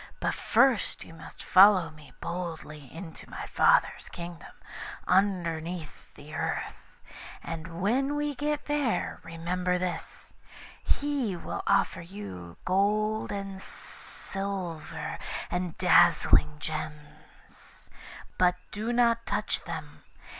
But first you must follow me boldly into my Father's Kingdom, underneath the earth; and when we get there, remember this he will offer you gold and silver, and dazzling gems, but do not touch them.